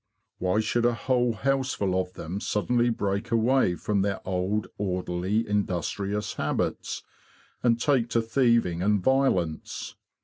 Why should a whole houseful of them suddenly break away from their old orderly industrious habits, and take to thieving and violence?